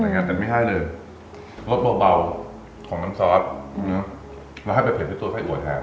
นึกว่าแบบจะรสแต่จ้านเผ็ดแต่ไม่ได้เลยรสเบาของน้ำซอสแล้วให้ไปเผ็ดด้วยตัวไส้อ่วนแทน